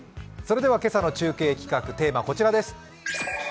今朝の中継企画、テーマはこちらです。